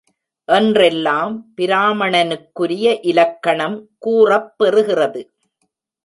என்றெல்லாம் பிராமணனுக்குரிய இலக்கணம் கூறப்பெறுகிறது.